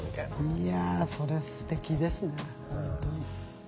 いやそれすてきですね。